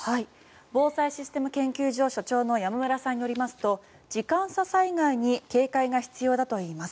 防災システム研究所所長の山村さんによりますと時間差災害に警戒が必要だといいます。